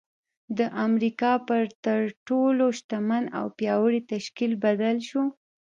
د امريکا پر تر ټولو شتمن او پياوړي تشکيل بدل شو.